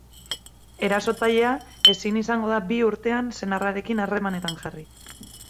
Erasotzailea ezin izango da bi urtean senarrarekin harremanetan jarri.